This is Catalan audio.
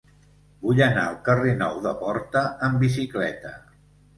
Vull anar al carrer Nou de Porta amb bicicleta.